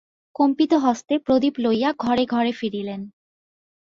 কম্পিতহস্তে প্রদীপ লইয়া ঘরে ঘরে ফিরিলেন।